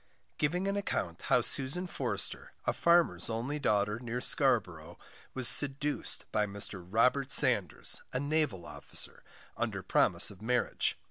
Giving an Account how Susan Forster, a Farmer's only Daughter, near Scarborough, was seduced by Mr Robert Sanders, a Naval Officer, under promise of Marriage.